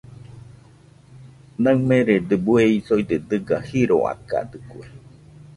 Naɨmerede bueisoide dɨga jiroakadɨkue.